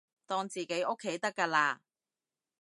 當自己屋企得㗎喇